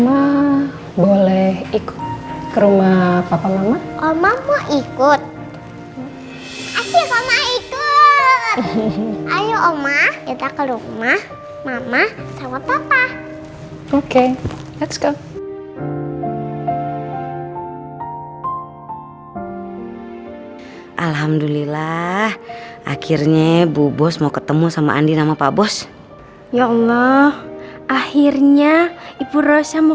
alhamdulillah akhirnya bu bos mau ketemu sama andi nama pak bos ya allah akhirnya ibu rosa mau